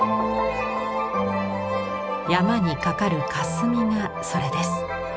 山にかかる霞がそれです。